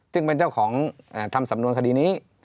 ซึ่งเป็นเจ้าของทำสำนวนคดีนี้